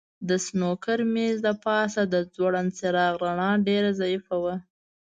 د سنوکر مېز د پاسه د ځوړند څراغ رڼا ډېره ضعیفه وه.